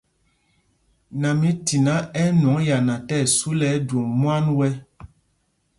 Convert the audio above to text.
Namítiná ɛ́ ɛ́ nwɔŋ yana tí ɛsu lɛ ɛjwôm mwân wɛ́.